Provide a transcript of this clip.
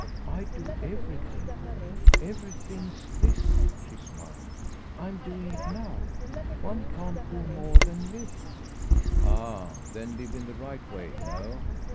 "I do everything. Everything's THIS," she smiled. "I'm doing it now. One can't do more than live." "Ah than live in the right way, no.